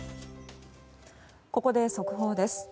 ここで速報です。